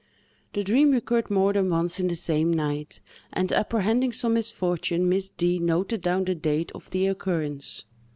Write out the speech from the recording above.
The dream recurred more than once in the same night, and, apprehending some misfortune, Miss D—— noted down the date of the occurrence.